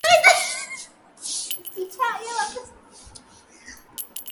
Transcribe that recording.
کراچیمقامی cotton market میں گزشتہ ہفتے کے دوران مجموعی طور پر استحکام رہا